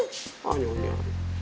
gak bener baik